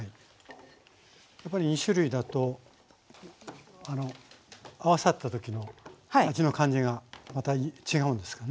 やっぱり２種類だと合わさった時の味の感じがまた違うんですかね？